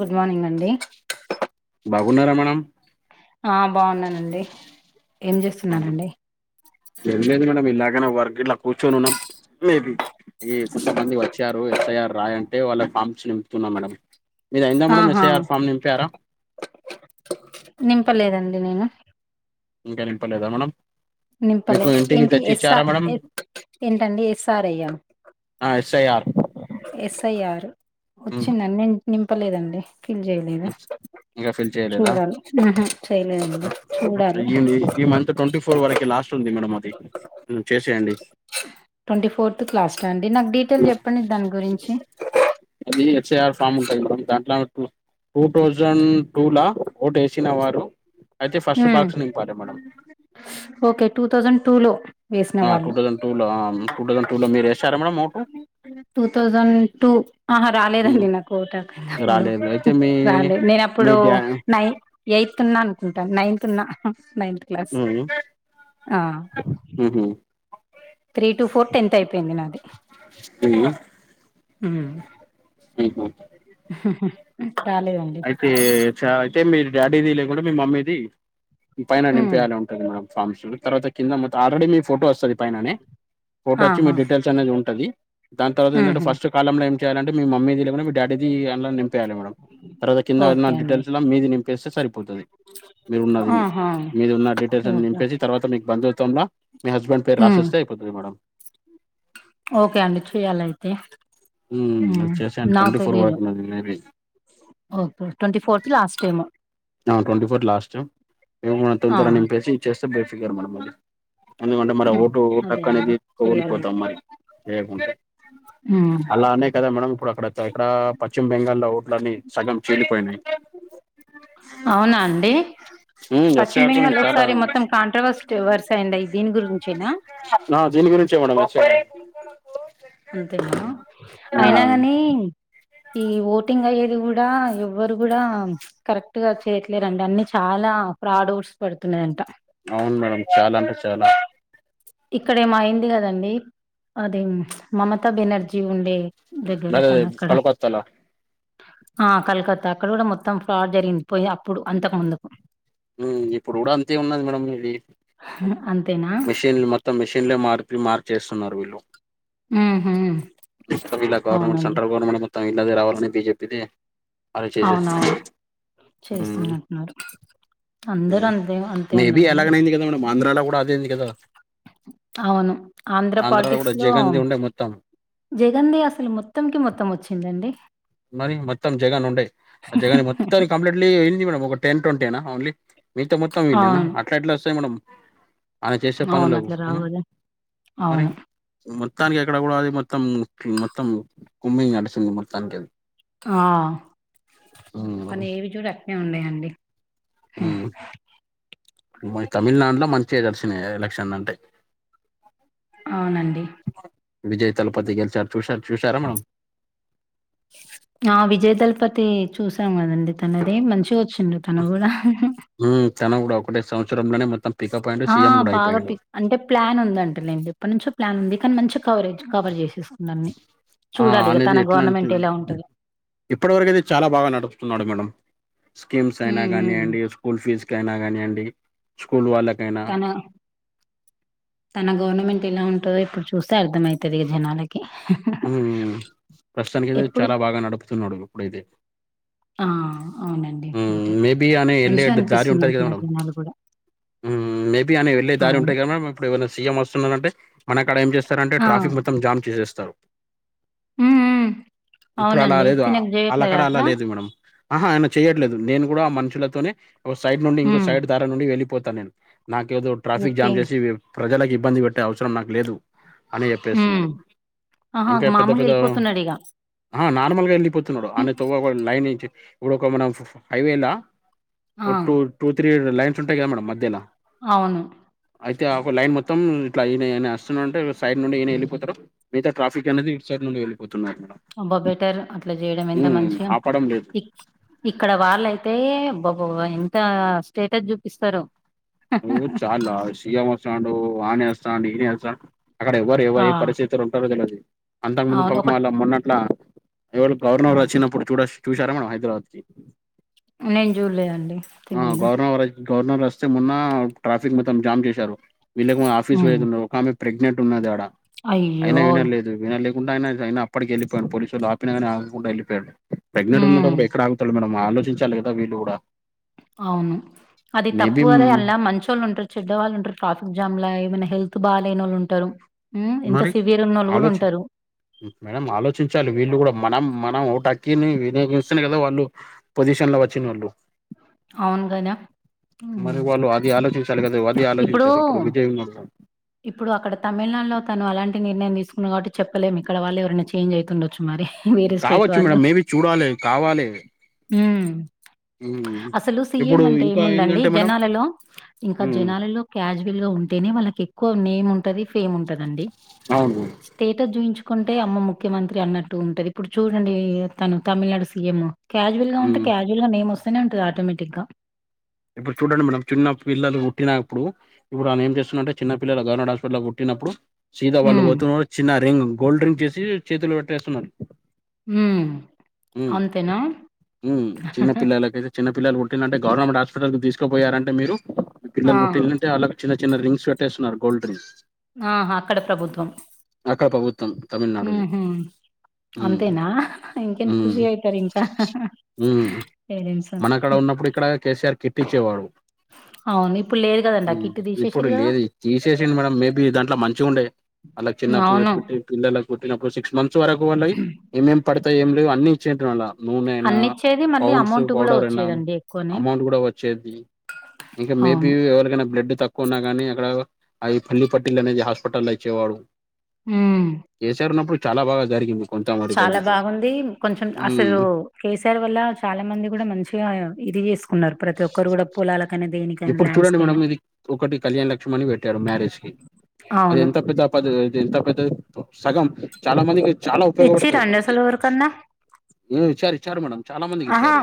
Good morning అండి బాగున్నారా madam ఆ బాగున్నానండి ఏం చేస్తున్నారండి ఏం లేదు మేడమ్ ఇలాగనే వర్గ్ ఇట్లా కూర్చొనున్నాం మేబి ఇ కొంతమంది వచ్చారు ఎస్ఐఆర్ రాయ్ అంటే వాళ్ళ ఫామ్స్ నింపుతున్నా మేడం మీదైందా మేడం ఆహా ఎస్ఐఆర్ ఫామ్ నింపారా నింపలేదండి నేను ఇంకా నింపలేదా మేడం నింపలే మీకు ఇంటికి ఏంటి తెచ్చి ఎస్ఆ ఇచ్చారా మేడం ఏంటండి ఎస్ఆర్ఐ ఆ ఆ ఎస్ఐఆర్ ఎస్ఐఆర్ వచ్చిందండి నింపలేదండి ఫిల్ చేయలే లేదా ఇంకా ఫిల్ చేయలేదా చూడాలి ఆహా ఆ. చేయలేదండి చూడాలి ఈ ఈ మంత్ ట్వంటీ ఫోర్ వరకే లాస్ట్ ఉంది మేడం అది చేసేయండి ట్వంటీ ఫోర్త్ కి లాస్టా అండి నాక్ డీటెల్ ఉమ్, చెప్పండి దాని గురించి అది ఎస్ఐఆర్ ఫామ్ ఉంటది మేడం దాంట్లో టూ టూ థౌజండ్ టూ లా ఓటు యేసిన వారు అయితే ఫస్ట్ ఉమ్, బాక్స్ నింపాలే madam okay two thousand two లో వేసిన ఆ టూ వాళ్ళు థౌసండ్ టూ లో ఆ టూ థౌసండ్ టూ లో మీరు వేశారా madam vote two thousand two ఆహ ఉమ్, రాలేదండి నాకు ఓట్ హకప్పుడు రాలేదు అయితే హ్ మీ రాలే నేను మీ అప్పుడు డా నై ఎయిత్ ఉన్నా అనుకుంటా నైన్త్ ఉన్నా నైన్త్ క్లాస్ ఉమ్, ఆ ఉహు, త్రీ టు ఫోర్ టెన్త్ అయిపొయింది నాది అవున ఊమ్ ఉహు కాలేదం అయితే చ అయితే మీ డాడీది లేకుంటే మీ మమ్మీది పైన ఉమ్ నింపేయాని ఉంటది మేడం ఫామ్స్ల్ తర్వాత కింద మత్త ఆల్రడీ మీ ఫోటో వస్తది పైననే ఫోటో వచ్చి మీ ఆహా డీటెయిల్స్ చ్ అనేది ఉంటది దాన్ తర్వాత ఏందంటే ఉహు ఫస్ట్ కాలంలో ఏం చేయాలంటే మీ మమ్మీది లేకుంటే మీ డాడీది అన్లైన్ నిం యాలి మేడం తర్వాత కింద నా ఓకే అండి డీటెయిల్స్లా మీది నింపిస్తే సరిపోతది మీరు ఉన్నది ఆహా మీది ఉన్న డీటెయిల్స్ అన్నీ ఓకే నింపేసి తర్వాత మీకు బంధుత్వం ల మీ హస్బెండ్ పేరు ఉమ్ రాసేస్తే అయిపోతది మేడమ్ ఓకే అండి చేయలయితే మ్మ్ అది చేసాన్ ట్వంటీ ఫోర్ వరకు ఉన్నది maybe okay twenty fourth last ఏమో ఆ ట్వంటీ ఫోర్ లాస్ట్ ఏమున్నది తొం తొర ఆహా నింపేసి ఇచ్చేస్తే బేఫిగర్ మేడం మళ్ళీ ఎందుకంటే మరి ఉమ్, ఓటు అదే ఓటక్ అండి అనేది కోలుపోతాం చెయ్యాలయితే మరి ఏయకుంటే ఉమ్ అలా అనే కదా మేడం ఇప్పుడు అక్కడ ఎక్కడ పశ్చిమ బెంగాల ఓట్ల అన్నీ సగం చీలిపోయినాయి అవునా అండి మ్ పశ్చిమ్ ఎస్ఆర్తోనే బెంగాల్ చాలా ఒకసారి మొత్తం కాంట్రవర్సడ్ వర్స్ అయింది దీని గురించి ఏన ఆ దీని గురించే మేడం మంచి అంతేనా అయిన మ్ గానీ ఈ ఓటింగ్ అయ్యేది కూడా ఎవ్వరు కూడా ప్చ్ కరెక్ట్ గా చేయట్లేరండి అన్ని చాలా ఫ్రాడుడ్స్ పడుతున్నయట అవును మేడం చాలా అంటే చాలా ఇక్కడేమో అయింది కదండి అదే మమతా బెనర్జీ ఉండే దగ్గర అదే తను అక్కడ కలకత్తాలో ఆ కలకత్తా అక్కడ కూడా మొత్తం ఫ్రాడ్ జరిగింది పోయి అప్పుడు అంతకు ముందుకు ఊ ఇప్పుడు కూడా అంతే ఉన్నది మేడం ఇది అ అంతేనా మిషన్లు మ తం మిషన్లే మార్పి మార్చేస్తున్నారు వీళ్ళు ఉహు మొతం ఈల గవర్నమెంట్ అవునండి సెంట్రల్ గవర్మెంట్ మొత్తం ఇలదే రావాలని బిజెపిది అవునవును చేస్తున్నటున్నారు ఊమ్ మేబీ అలాగైనైంది కదా మేడమ్ ఆంధ్రాలో కూడా అదేంది కదా అవును ఆంధ్ర ఆంధ్రాలో కూడా పాల్టిక్స్ లో జగన్ది ఉండే మొత్తం జగన్ది అసలు మొత్తం కే మొత్తం వచ్చిందండి మరి మొత్తం జగన్ ఉండే ఆ జగని మొత్తం తనికీ కంప్లీట్లీ ఏంది మేడం ఒక టెన్ ట్వంటీ ఏన ఓన్లీ మిగతా మొ మొత్తం వీళ్లేనా అవును. అట్ల ఎట్ల వస్తది మేడం ఆయన చేసే అవును. పనులకు అట్లా ఆ రావు గదా! మరి అవును. మొత్తానికి అక్కడ కూడా అది మొత్తం మొత్తం కుమ్మింగ్ నడుస్తుంది మొత్తానికి అది ఆ ఉమ్ కొన్ని ఏవి చూడు అట్నే ఉన్నాయండి మరి తమిళనాడుల మంచిగా నడిషినయ్ ఎలక్షన్లు అంటే అవునండి విజయ్ తళపతి గెలిచారు చూశార్ చూశారా మనం ఆ విజయ్ దళపతి చూసాం గదండి తనది మంచి గొచ్చింన్రు తను గూడా ఉమ్ తను గూడా ఒకటే సంవత్సరంలనే మొత్తం పికప్ అయిండు ఆ! సీఎం గూడా బాగా అయిపోయిండు పిక్ అంటే ప్లాన్ ఉందంట లేండి ఎప్పటి నుంచో ప్లాన్ ఉంది కానీ మంచి కవరేజ్ కవర్ జేసేస్కుండు అన్ని ఆ చూడాలి ఇగ అనేది తన ఎట్లాంటి గవర్నమెంట్ ఎలా ఉంటది ఇప్పటి వరకు అయితే చాలా బాగా నడుపుతున్నాడు మేడం స్కీమ్స్ అయినా హ్మ్. హ్మ్. గానీయండి స్కూల్ ఫీజు కైనా గానీయండి స్కూల్ వాళ్ళకైనా తన తన గవర్నమెంట్ ఎలా ఉంటదో ఇప్పుడు చూస్తే అర్థమైతది ఇగ జనాలకి ఉమ్ ప్రస్తుతానికైతే ఎప్పుడు చాలా బాగా నడుపుతున్నాడు ఇప్పుడైతే ఆ అవునండి ఉమ్ బెటర్ మేబీ ఆయన యెళ్ళే మంచిగా దారి అనిపిస్తుంది ఉంటది గదా అంటున్నారు మేడం జనాలు కూడా ఉమ్ మేబీ ఆయన వెళ్ళే దారి అవును ఉంటయ్ గదా మేడం ఇప్పుడు ఏమైనా సీఎం వస్తున్నారంటే మన క్కాడ ఏం జేస్తారంటే ఆ ట్రాఫిక్ మొత్తం జామ్ చేసేస్తరు ఉమ్ ఉమ్ ఇప్పుడు అలా అవునండి లేదు తినకు చేయట్లేదా ఆల్లక్కాడ అలా అట్లా లేదు మేడం ఆహా ఆయన చేయట్లేదు నేను కూడా ఆ మనుషులతోనే ఒక సైడ్ నుండి ఇంకో ఉమ్ సైడ్ దారి నుండి వెళ్ళిపోతాను నేను నాకేదో ట్రాఫిక్ ఓకే జామ్ జేసి ప్రజలకి ఇబ్బంది పెట్టే అవసరం నాకు లేదు అని ఉమ్ చెప్పేస్తున్నాడు ఆహా మామూలుగా యెళ్ళిపోతున్నాడు ఇగ ఆహా నార్మల్ గా యెళ్ళిపోతున్నాడు ఆమె తోవ్వ లైన్ నుంచి ఇప్పుడు ఒక మన ఫో హైవేలా ఆ ఒక టూ టూ త్రీ లైన్స్ ఉంటాయి గా మేడమ్ మధ్యలా అవును అయితే ఆ ఒక లైన్ మొత్తం ఇట్లా ఈయన ఈయన అస్తున్నాడంటే సైడ్ నుండి ఈయన యెళ్ళిపోతడు ట్రాఫిక్ అనేది ఇటు సైడ్ నుండి వెళ్ళిపోతున్నారు మేడం అబ్బా బెటర్ అట్లా జేయడం ఎంత ఉమ్ మంచిగా ఆపడం లేదు ఇ ఇక్కడ వాళ్ళయితే అబ్బా బ్బా ఎంత స్టేటస్ జూపిస్తరో ఓ చాలా సీఎం వస్తాండు ఆనేస్తాంది ఈనేస్తాను అక్కడ ఎవ్వరు ఎవ్వ ఆ ఏ పరిస్థితులు ఉంటరో దెల్వది. అంతకు ముందు అవును ఒక ప్రభుత్వం వాళ్ళ మొన్నట్లా ఎవరు గవర్నర్ వచ్చినప్పుడు చూడ చూసారా మనం హైదరాబాద్ కి నేన్ జూడలేదండి ఆ తెలీదు గవర్నర్ గవర్నర్ వస్తే మొన్న ట్రాఫిక్ మొత్తం జామ్ జేశారు వీళ్ళెమో ఆఫీస్ హ్మ్. పోయేదున్నా ఒక ఆమెకు ప్రెగ్నెంట్ ఉన్నది ఆడ అయినా అయ్యో! గూడ వినలేదు వినలేకుండా ఆయన అప్పటికి యెళ్ళిపోయిండు పోలీసులు ఆపినగాని ఆగకుండా యెళ్ళిపోయిండు ప్రెగ్నెంట్ హ్మ్. ఉన్నప్పుడు ఎక్కడ ఆగుతాడు మేడమ్ ఆలోచించాలి కదా వీళ్ళు గూడా అవును అది తప్పుగదా అల్లా మంచోళ్ళుంటరు చెడ్డవాళ్ళు ఉంటరు ట్రాఫిక్ జామ్ లా ఏమన్నా హెల్త్ బాగా లేనోళ్ళు ఉంటరు మరి ఆలోచి మేడం ఆలోచించాలి వీళ్ళు గూడా మనం మనం ఓటు హక్కిని వినియోగిస్తనే గదా వాళ్ళు పొజిషన్ల వచ్చినోళ్ళు అవును గదా మరి హ్మ్. వాళ్ళు అది ఆలోచించాలి గదా అది ఆలోచించరు ఇప్పుడు విజయ్ ఉన్నోళ్ళు ఇప్పుడు అక్కడ తమిళనాడులో తను అలాంటి నిర్ణయం దీసుకుండు గాబట్టి చెప్పలేము ఇక్కడ వాళ్ళ ఎవరైనా చేంజ్ అయితుండొచ్చు మరి వేరే స్టేట్ కావచ్చు వాళ్ళు మేడం మేబీ చూడాలి కావాలి ఉమ్ ఉమ్. అసలు సిఎం ఇప్పుడు అంటే ఇంకా ఏముందండి ఏంటంటే మేడం జనాలలో ఇంకా ఉమ్, జనాలలో క్యాజువల్ గా ఉంటేనే వాళ్ళకి ఎక్కువ నేమ్ ఉంటది ఫేమ్ ఉంటదండి అవును స్టేటస్ చూయించుకుంటే అమ్మో ముఖ్యమంత్రి అన్నట్టు ఉంటది ఇప్పుడు చూడండి తను తమిళ్నాడు సీఎం క్యాజువల్గా వుంటే ఉమ్. క్యాజువల్గా నేమ్ వస్తనే వున్టది ఆటోమేటిక్గా ఇప్పుడు చూడండి మేడం చిన్న పిల్లలు పుట్టినప్పుడు ఇప్పుడు ఆమె ఏం చేస్తున్దంటే చిన్న పిల్లలు గవర్నంట్ హాస్పిటల పుట్టిప్పుడు సీదా వాళ్ళు హ్మ్. పోతున్నారు చిన్న రింగ్ గోల్డ్ రింగ్ చేసి చేతుల పెట్టేస్తున్నారు హ్మ్. హ్మ్ అంతేనా? హ్మ్ చిన్న పిల్లులకు కయితే చిన్న పపిల్లలు పుట్టిన్లు అంటే గవర్నమెంట్ హాస్పిటల్కు తీసుకుపోయారంటే మీరు ఆ! పిల్లలు పుట్టిన్లు అంటే వాలా చిన్న చిన్న రింగ్స్ పెట్టేస్తున్నారు గోల్డ్ రింగ్స్ ఆహా అక్కడ ప్రభుత్వం అక్క ప్రభుత్వం తమిళనాడుది హ్మ్ హు ఉమ్ అంతేనా ఇంకేన్ ఉమ్ ఖుషి అయితరింకా ఉమ్ మనకాడ ఉన్నప్పుడు ఇక్కడ కేసీఆర్ కిట్టిచ్చేవాడు అవును ఇప్పుడు లేదు కదా ఆ మ్ కిట్ ఇప్పుడు తీసేసిర్రు లేదు తీసేసిండు మనం మేబీ దాంట్లో మంచిగుండె అలా చిన్నపిల్లల్ అవును. పుట్టి పిల్లలకు పుట్టినప్పుడు సిక్స్ మంత్స్ వరకు వాళ్ళయ్ ఏమేం పడ్తాయ్ ఏం లేవు అన్ని ఇచ్చిన్రు అండ్ల నూనైనా అన్నిచ్చేది మళ్ళీ పౌండ్స్ అమౌంట్ కూడా పౌడర్ అయిన వచ్చేదండి ఎక్కువనే. అమౌంట్ కూడా వచ్ వచ్చేది ఇంకా మేబి అవును. ఎవరికైనా బ్లడ్ తక్ కొన్నా గాని అక్కడ అయ్ పల్లి పట్టిలనేవి హాస్పిటల ఇచ్చేవాడు హ్మ్ కె సి ఆర్ ఉన్నపుడు చాలా బాగా జరిగింది కొంత మటుకు చాలా అయితే బాగుంది కొంచెం అసలు ఉమ్ కే సీ ఆర్ వల్ల చాలా మంది కూడా మంచిగా ఇది చేసుకున్నారు ప్రతి ఒక్కరు కూడా పొలాలకనే దేనిక్ ఇప్పుడు చూడండి మేడమ్ ఇది ఒకటి కళ్యాణ్ లక్ష్మి అని పెట్టారు మ్యారేజ్ కి అది అవును ఎంత పెద్ద పది ఐతే ఎంత పెద్దది సగం చాలా మందికి చాలా ఇచ్చిరండి ఉపయోగపడుతది [inaudible] అసలు ఎవరికన్నా మ్ ఇచ్చారు ఇచ్చారు మేడం చాలా మందికి ఆహా ఇచ్చారు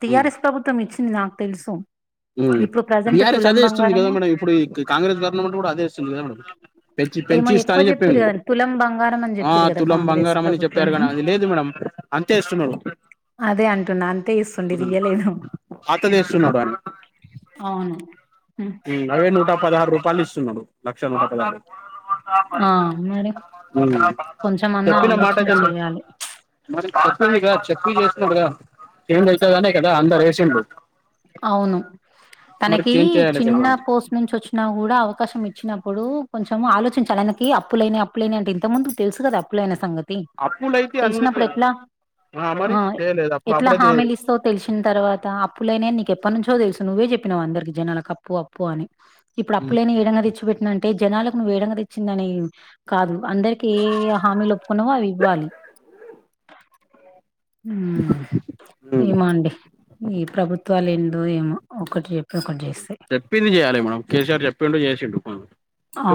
టి ఉమ్ ఆర్ ఎస్ ప్రభుత్వం ఇచ్చింది నాక్ తెలుసు ఇప్పుడు బీ ప్రజెంట్ ఆర్ ఎస్ తులం అదే ఇస్తుంది కదా బంగారము మేడ ఇప్పుడు కాంగ్రెస్ గవర్నమెంట్ కూడా అదే ఇస్తుంది కదా మేడమ్ పెంచి ఏమో ఎక్కువ పెంచిస్తానని చెప్పిరు చెప్పిండు కదండి తులం బంగారం అని ఆ చెప్పిరు కదా తులం కాంగ్రెస్ బంగారం అని ప్రభుత్వం చెప్పారు గాని అది లేదు మేడం అంతే ఇస్తున్నడు అదే అంటున్నా అంతే ఇస్తుండు ఇది ఇయ్యలేదు పాతదే ఇస్తున్నాడు ఆయన అవును హ్మ్ అవే నూట పదహారు రూపాయలు ఇస్తున్నాడు లాక్ష నూట పదహారు ఆ మరి ఉమ్ కొంచెం అన్నా చెప్పిన మాట ఆలోచన కన్న చేయాలి [unintelligible] చెప్పి చేస్తుండూగా చేంజ్ ఐతదనే కదా అందరు ఎసిండ్రు అవును తనకి చేంజ్ చేయాలి చిన్న కదా పో పోస్ట్ నుంచి వచ్చినా కూడా అవకాశం ఇచ్చినప్పుడు కొంచెం ఆలోచించాలి అయనకి అప్పులైనయ్ అప్ అప్పులైయ్నయ్ అంటే ఇంతక్ ముందు తెలుసు కదా అప్పులైన సంగత్ తి అప్పులైతే అన్నిటి తెలిసినప్పుడు ఎట్లా ఆ మరి హా చేయలేదు అప్పుడు ఎట్లా అప్పుడైతే హామిలిస్తవ్ తెల్సిన్ తర్వాత అప్పులైనయ్ నీక్ ఎప్ప నుంచో తెల్స్ నువ్వే జెప్పినవ్ అందరికి జనాలకు అప్పు అప్ పొ అని ఇప్పుడు అప్పులైనయ్ ఏడంగా తెచ్చిపెట్టినంటే జనాలకు నువ్వు ఏడంగా దెచ్చిందని కాదు అందరికి ఏ ఏ ఏ.. హామీలు ఒప్పుకున్నావో అవి ఇవ్వాలి ఉమ్ ఉమ్ ఏమోండి ఈ ప్రభుత్ వాళ్ళు విండ్రో ఏమో ఒకటి చెప్తే ఒకటి చేస్తే చెప్పింది చేయాలి మనం కేసీఆర్ చెప్పిండు చేసిండు పన్లు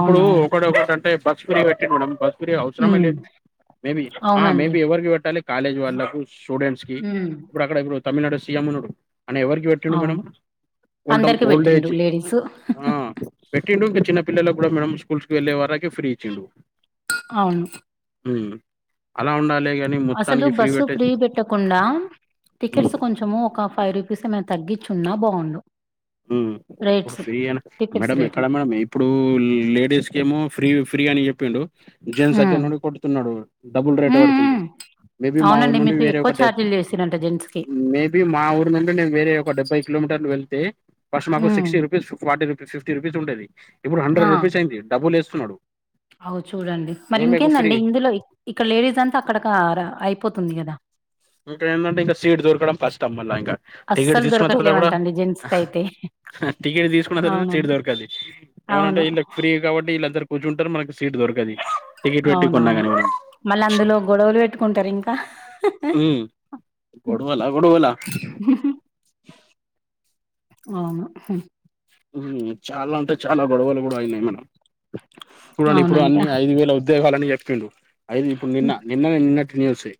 ఇప్పుడు ఒకటి ఒకటింటే బ స్సు ఫ్రీ పెట్టిండు మేడం బస్సు ఫ్రీ అవసరం హ్మ్. లేదు మేబీ ఆ అవునండి మేబీ ఎవరికి పెట్టాలి కాలేజ్ వాళ్ళకు స్టూడెంట్స్ కి హ్మ్. ఇప్పుడు అక్కడ ఇప్పుడు తమిళనాడు సీఎం ఉన్నాడు ఆయన ఎవరికి పెట్టిండు మేడం అవును ఉల్టం అందరికి బే పెట్టిండు చి లేడీస్ అ ఆ పెట్టిండు ఇంకా చిన్న పిల్లలకు కూడా మేడం స్కూల్స్ వెళ్ళే వాళ్ళకే ఫ్రీ ఇచ్చిండు అవును ఉమ్ అలా ఉండాలి గానీ అసలు మొత్తానికి ఫ్రీ బస్సు పెట్టేసి పెట్టకుండా ఉమ్ టికెట్స్ కొంచెం ఒక ఫైవ్ రూపీస్ ఏమైనా తగ్గించున్నా బాగుంను ఉమ్ ఇప్పుడు ఫ్రీయా టికెట్స్ మేడామ్ ఎక్కడ రేట్లు మేడం ఎమ్ ఇప్పుడూ లేడీస్కి ఏమో ఫ్రీ ఫ్రీ అని చెప్పిండు జెంట్స్ దగ్గర ఉమ్ నుండి కొట్తున్నాడు డబ్బుల్ రేట్ ఉమ్ పడుతుంది ఉమ్ మేబీ మా ఊరు అవునండి నుండి మీకు వేరే ఎక్కువ ఒక డెబ్ ఛార్జీలు చేసిరంట జెంట్స్ కి మేబీ మా ఊరీ నుండి నేను వేరే ఒక డెబ్బై కిలోమీటర్లు వెళ్తే ఫస్ట్ మాకు sixty rupees forty rupees fifty rupees ఉండేది ఇప్పుడు ఆ హండ్రెడ్ రూపీస్ అయింది డబ్బుల్ వేస్తున్నాడు అవు చూడండి మరి ఏ మీకు ఫ్రీ ఇంకేందండి ఇందులో ఇక్కడ లేడీస్ అంతా అక్కడకర అయిపోతుంది కదా ఇంకా ఏంటంటే ఇంకా సీట్ దొరకడం కష్టం మళ్ళా ఇంకా టికెట్ అస్సలు తీసుకున్న తర్వాత కూడా దొరకట్లేవంటండి జెంట్స్ కి అయితే టికెట్ తీసుకున్న తర్వాత సిట్ అవునండి దొరకాలి ఏమనంటే అవును ఇళ్ళ ఫ్రీ కాబట్టి వీళ్ళందరు కూర్చుంటారు మనకి సీట్ దొరకదు టికెట్ పెట్టి కొన్నా అవునవును కాని మళ్ళీ అందులో గొడవలు పెట్టుకుంటారు ఇంకా ఉమ్ గొడవలా గొడవలా అవును హూ ఉమ్ చాలా అంటే చాలా గొడవలు కూడా అయినాయి మనం చూడండి ఇప్పుడు అవునంట. అన్ని ఐదు వేలు అవుతు పోవాలని చెప్పిండు అయితె ఇప్పుడు నిన్న హ్మ్. నిన్న నిన్నటిన్యూసే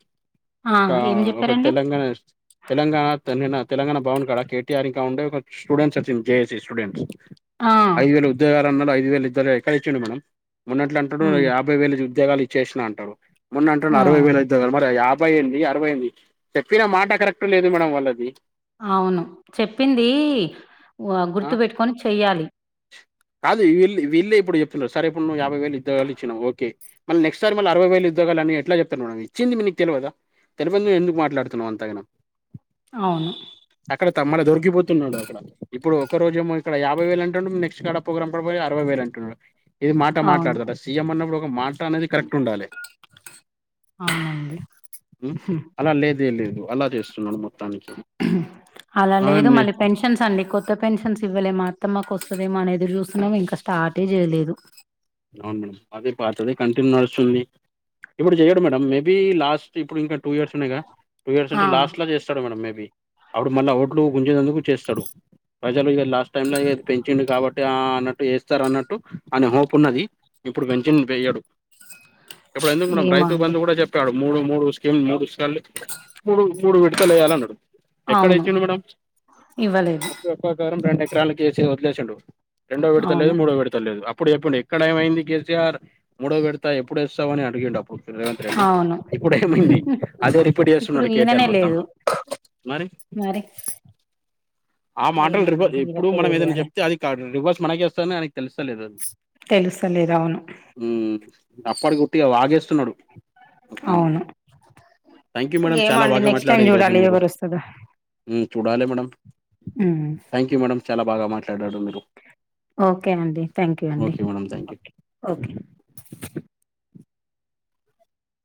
ఆ! ఒకా ఏం ఒక జెప్పారండి? తెలంగాణ స్టు తెలంగాణ నిన్న తెలంగాణ భవన్ కాడ కేటీఆర్ ఇంకా ఉండే ఒక స్టూడెంట్స్ వచ్చింది జేఏసీ స్టూడెంట్స్ ఆ! ఐదు వేల ఉద్యోగాలు అన్నాడు ఐదు వేలుద్దర ఎక్కడచ్చిండు మేడం మొన్నట్లు అంటాడు హ్మ్. ఆప్ ముప్ఫైవేల ఉద్యోగాలు ఇచ్చేసిన అంటాడు మొన్న అంటడు హ్మ్. అరవైవేల ఉద్యోగాలు మరి యాబై ముప్పై ఏంది అరవై ఏంది చెప్పిన మాట కరెక్ట్గా లేదు మేడం వాళ్ళది అవును చెప్పిందీ ఆ గుర్తు పేట్టుకొని చెయ్యాలి కాదు వీళ్లే వీళ్లే ఇప్పుడు చెప్తున్నారు సరే యాభై వేలు ఉద్యోగాలు ఇచ్చినవు ఓకే మళ్ళ నెక్ట్ సారి మళ్ళ అరవై వేలు ఇద్యోగలు అనీ ఎట్లాచెప్తారు మేడం ఇచ్చి మీకు తెలవదా తెలవందే ఎందుకు మాట్లాడుతున్నాం అంతగణం అవును అక్కడ తమ్ముడ దొరికిపోతున్నాడు అక్కడ ఇప్పుడు ఒకరోజెమో ఇక్కడ యాభై వేలు అంటాండు నెక్స్ట్ కాడా పోగ్రాం కి పోయి అరవై వేలు అంటుండు ఇది మాట అవును. మాట్లాడతాడు అస్సులు సీఎం అన్నప్పుడు ఒక మాట అనేది కరెక్ట్ ఉండాలే అవునండి. ఉ అలా లేదు లేదు అలా చేస్తున్నాడు మొ అలా లేదు నే మళ్ళీ పెన్షన్స్ అండి కొ కొత్త పెన్షన్స్ ఇవ్వలే మా అత్తమ్మ కోస్తదేమో అనేదురు చూస్తున్నాము ఇంకా స్టార్టే చేయలేదు అవును మేడం అదే పాతదే కంటిన్యూ నడుస్తుంది ఇప్పుడు చెయడు మేడం మేబీ లాస్ట్ ఇప్పుడు ఇంకా టూ ఇయర్స్ ఉన్నాయిగా టూ ఇయర్స్ ఆ! ఉంటే లాస్ట్ లో చేస్తాడు మేడం మేబి అప్పుడు మళ్ళా ఓట్లు గుంచేందుకు చేస్తాడు ప్రజలు ఇక లాస్ట్ టైమ్ లో పెంచిండు కాబట్టి ఆ అన్నట్టు వేస్తారు అన్నట్టు అని హోప్ ఉన్నది ఇప్పుడు పెంచన్ వేయాడు ఇప్పుడు ఎందుకున్నా ఏమో రైతు అండి. బంధు కూడా చేప్ తాడు మూడు మూడు స్కీమ్లు మూడు స్కీన్లు మూడు మూడు విడతలు వేయ్యాలి అన్నాడు ఎక్కడ అవును. వేసిండు మేడం ఇవ్వలేదు. ఒక ఎకరం రెండు ఎకరాల కేసి వదిలేసండు రెండో విడతలేదు అవును. మూడో విడతలేదు అప్పుడు చెప్పండి ఇక్కడేమైంది కేసీఆర్ మూడోవిడతా ఎప్పుడేస్తావ్ అని అడిగిండు అప్పుడు రేవంత్ రెడ్డి అవును. ఇప్పుడు ఏమైంది అదే రిపీట్ ఇప్పుడు చేస్తున్నాడు కేటీఆర్ ఈయననే లేదు. మొత్తంలా మరి ఆ మాటలు ఏమో రివ అండి. ఎప్పుడు వీళ్ళకే మనం ఏదైనా తెలియాలి. చెప్తే అది అడు రివర్స్ మనకి వస్తదని అయనకు తెలుస్తాలేదూ తెలుస్తలేదు. అవును. ఉమ్ ఆప్పటికుట్టిగా వాగేస్తున్నాడు వస్తాను అవును థ్యాంక్ యూ మేడం ఏమో చాలా అండి బాగా నెక్స్ట్ టైం మాట్లాడారు ఈరోజు చూడాలి మీరు ఎవరు వస్తదో ఉమ్ చూడాలి madam um thank you madam చాలా బాగా మాట్లాడరు మీరూ ఓకే అండి థ్యాంక్ యూ అండి madam thank you okay okay